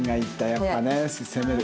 やっぱね攻める。